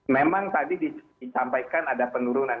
memang tadi disampaikan ada penurunan